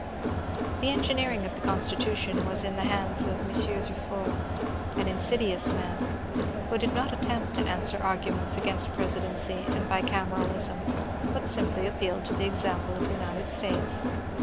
The engineering of the Constitution was in the hands of M. Dufaure, an insidious man, who did not attempt to answer arguments against presidency and bicameralism, but simply appealed to the example of the United States.